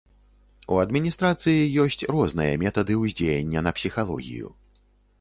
У адміністрацыі ёсць розныя метады ўздзеяння на псіхалогію.